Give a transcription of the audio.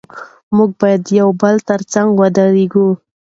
موږ باید د یو بل تر څنګ ودرېږو.